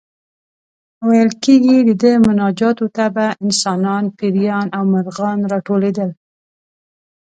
ویل کېږي د ده مناجاتو ته به انسانان، پېریان او مرغان راټولېدل.